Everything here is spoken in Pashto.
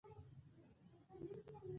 ازادي راډیو د د کار بازار وضعیت انځور کړی.